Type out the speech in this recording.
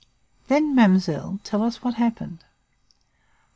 Then, mademoiselle, tell us what happened.